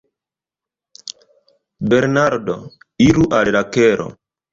Bernardo: Iru al la kelo.